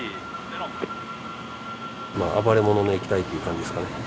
まあ暴れ者の液体という感じですかね。